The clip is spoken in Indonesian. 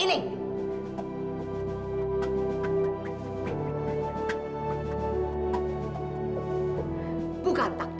ini bukan takdir